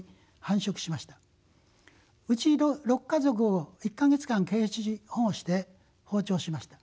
うち６家族を１か月間ケージ保護して放鳥しました。